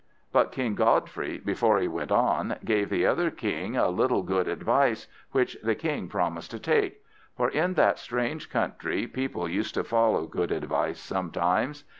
But King Godfrey, before he went on, gave the other King a little good advice, which the King promised to take; for in that strange country people used to follow good advice sometimes.